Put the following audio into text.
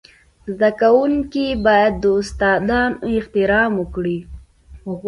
زده کوونکي باید د استادانو احترام وکړي.